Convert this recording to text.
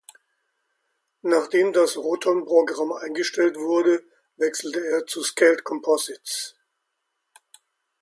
Nachdem das Roton-Programm eingestellt wurde wechselte er zu Scaled Composites.